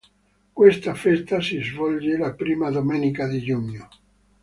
Questa festa si svolge la prima domenica di giugno.